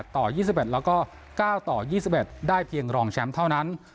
ต่อ๒๑แล้วก็๙ต่อ๒๑ได้เพียงรองแชมป์เท่านั้น